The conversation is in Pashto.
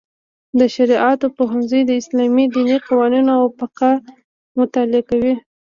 د شرعیاتو پوهنځی د اسلامي دیني قوانینو او فقه مطالعه کوي.